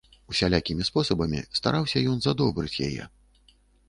Усялякімі спосабамі стараўся ён задобрыць яе.